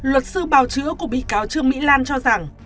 luật sư bào chữa của bị cáo trương mỹ lan cho rằng